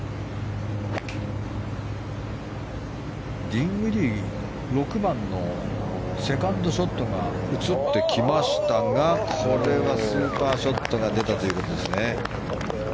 ディンウィディー６番のセカンドショットが映ってきましたがこれはスーパーショットが出たということですね。